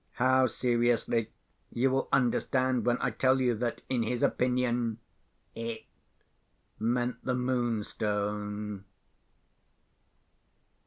How seriously, you will understand, when I tell you that, in his opinion, "It" meant the Moonstone.